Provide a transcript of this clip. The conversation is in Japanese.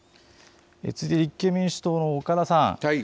続いて立憲民主党の岡田さん。